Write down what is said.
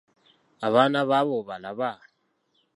Abaana bo abo obalaba?